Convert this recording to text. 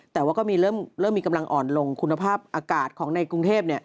แต่ว่าก็มีเริ่มมีกำลังอ่อนลงคุณภาพอากาศของในกรุงเทพ